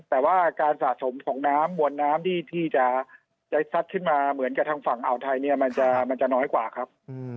แต่ว่าการสะสมของน้ำมวลน้ำที่จะซัดขึ้นมาเหมือนกับทางฝั่งอ่าวไทยเนี่ยมันจะน้อยกว่าครับ